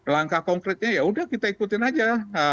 langkah konkretnya ya udah kita ikutin aja